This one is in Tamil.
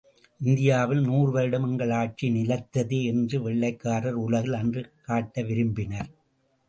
இந்தி யாவில் நூறு வருடம் எங்கள் ஆட்சி நிலைத்ததே! என்று வெள்ளைக் காரர் உலகில் அன்று காட்ட விரும்பினர்.